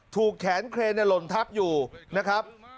ถูกแขนเครนหล่นทับอยู่นะครับ